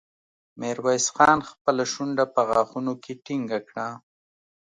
ميرويس خان خپله شونډه په غاښونو کې ټينګه کړه.